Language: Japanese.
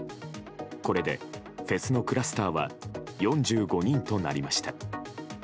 これでフェスのクラスターは４５人となりました。